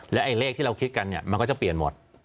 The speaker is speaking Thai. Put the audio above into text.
ไอ้เลขที่เราคิดกันเนี่ยมันก็จะเปลี่ยนหมด